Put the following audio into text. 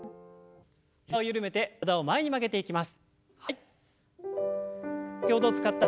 膝をゆるめて体を前に曲げていきます。